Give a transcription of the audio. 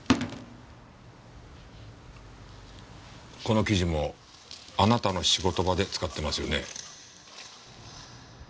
この生地もあなたの仕事場で使ってますよね？